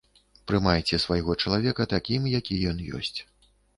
Прымайце свайго чалавека такім, які ён ёсць.